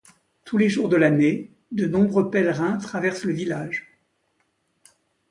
Tous les jours de l'année, de nombreux pèlerins traversent le village.